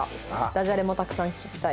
ダジャレもたくさん聞きたい」。